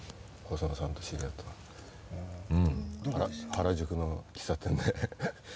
原宿の喫茶店で。